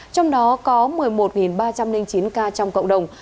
trong đó có một mươi một ba trăm linh chín ca trong cộng đồng